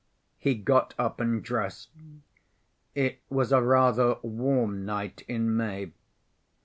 He got up and dressed. It was a rather warm night in May.